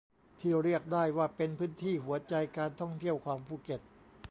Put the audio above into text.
ที่เรียกได้ว่าเป็นพื้นที่หัวใจการท่องเที่ยวของภูเก็ต